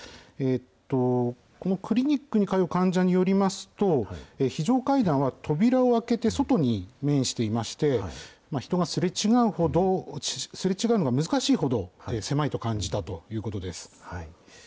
このクリニックに通う患者によりますと、非常階段は扉を開けて外に面していまして、人がすれ違うのが難しいほど、狭いと感じたということです。